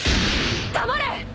黙れ！